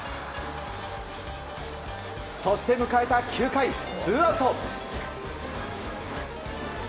そして迎えた９回、ツーアウト。